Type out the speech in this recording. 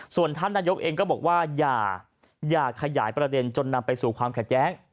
ส่วนท่านนายกเองก็บอกว่าอย่าขยายประเด็นจนนำไปสู่ความขัดแย้ง